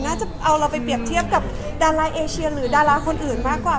จะเอาเราไปเปรียบเทียบกับดาราเอเชียหรือดาราคนอื่นมากกว่า